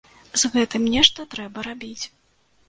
З гэтым нешта трэба рабіць.